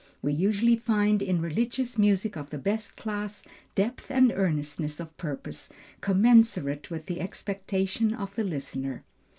We usually find in religious music of the best class, depth and earnestness of purpose commensurate with the expectation of the listener.